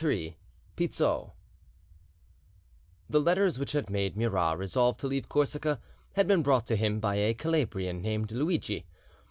III—PIZZO The letters which had made Murat resolve to leave Corsica had been brought to him by a Calabrian named Luidgi.